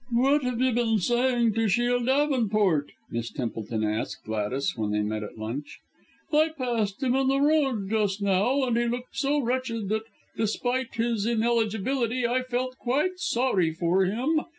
"What have you been saying to Shiel Davenport?" Miss Templeton asked Gladys, when they met at lunch. "I passed him in the road just now, and he looked so wretched that, despite his ineligibility, I felt quite sorry for him.